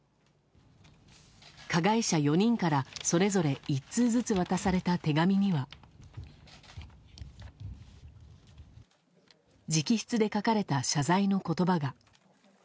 加害者４人から、それぞれ１通ずつ渡された手紙には直筆で書かれた謝罪の言葉が。